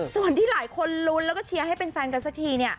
ส่วนที่หลายคนลุ้นแล้วก็เชียร์ให้เป็นแฟนกันสักทีเนี่ย